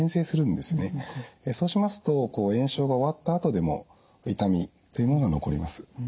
そうしますと炎症が終わったあとでも痛みっていうものが残ります。